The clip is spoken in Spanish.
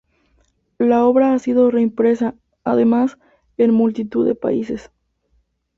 La obra ha sido reimpresa, además, en multitud de países.